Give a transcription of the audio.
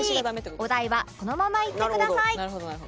お題はそのまま言ってください